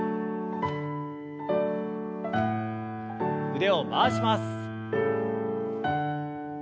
腕を回します。